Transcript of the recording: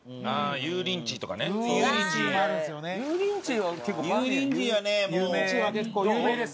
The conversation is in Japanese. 油淋鶏は結構有名です。